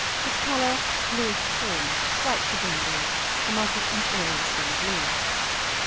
his colour bluish fawn, slightly brindled, the muzzle and ears being blue.